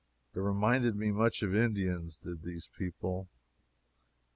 They reminded me much of Indians, did these people.